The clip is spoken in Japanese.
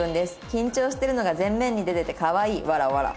「緊張してるのが全面に出ててかわいい。笑笑」。